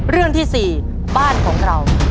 เรื่องที่๔บ้านของเรา